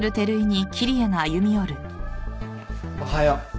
おはよう。